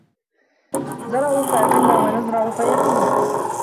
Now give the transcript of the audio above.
زرعوا فأكلنا ونزرع فيأكلون